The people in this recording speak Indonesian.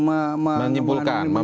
menyimpulkan hasil dari ahli